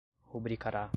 rubricará